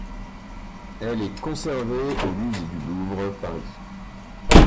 Elle est conservée au Musée du Louvre, Paris.